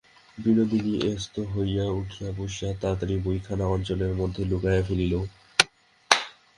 বিনোদিনী ত্রস্ত হইয়া উঠিয়া বসিয়া তাড়াতাড়ি বইখানা অঞ্চলের মধ্যে লুকাইয়া ফেলিল।